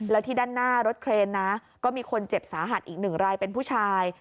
แล้วที่ด้านหน้ารถเครนนะก็มีคนเจ็บสาหัสอีกหนึ่งรายเป็นผู้ชาย